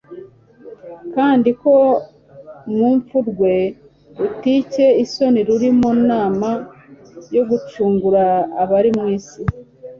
kandi ko mupfu rwe rutcye isoni ruri mu nama yo gucungura abari mu isi.